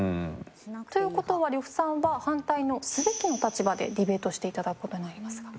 という事は呂布さんは反対の「すべき」の立場でディベートしていただく事になりますが。